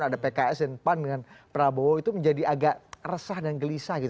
ada pks dan pan dengan prabowo itu menjadi agak resah dan gelisah gitu